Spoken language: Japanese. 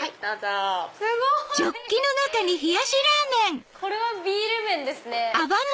すごい！これはビール麺ですね。